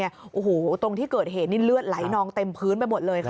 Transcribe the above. โอ้โหตรงที่เกิดเหตุนี่เลือดไหลนองเต็มพื้นไปหมดเลยค่ะ